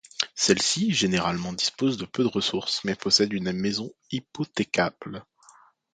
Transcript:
Celles-ci généralement disposent de peu de ressources mais possèdent une maison hypothécable.